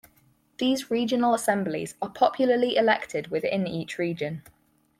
These Regional Assemblies are popularly elected within each region.